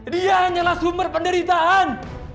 dia hanyalah sumber penderitaan